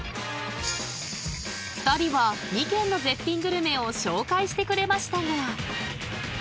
２人は２軒の絶品グルメを紹介してくれましたが。